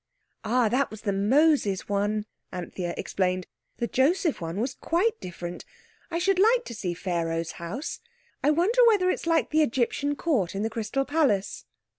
"Ah, that was the Moses one," Anthea explained. "The Joseph one was quite different. I should like to see Pharaoh's house. I wonder whether it's like the Egyptian Court in the Crystal Palace."